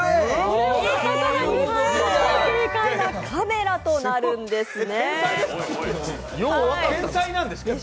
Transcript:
正解はカメラとなるんですね。